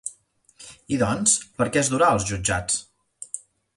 I doncs, per què es durà als jutjats?